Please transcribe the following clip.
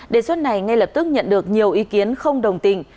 đề xuất này ngay lập tức nhận được nhiều ý kiến không đồng tình